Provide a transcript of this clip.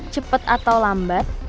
cepet atau lambat